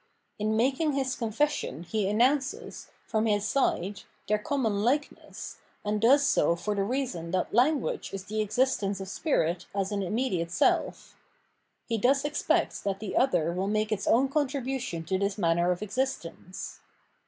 In making his confession he announces, from his side, their common likeness, and does so for the reason that language is the existence of spirit as an immediate self. He thus expects that the other will make its own contribution to this manner of existence.